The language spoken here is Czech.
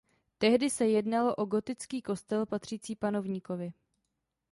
Tehdy se jednalo o gotický kostel patřící panovníkovi.